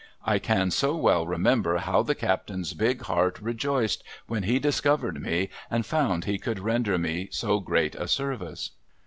I can so well remember how the captain's big heart rejoiced when he discovered me and found he could render me so great a service.